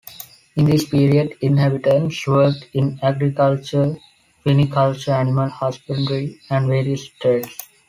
In this period, inhabitants worked in agriculture, viniculture, animal husbandry and various trades.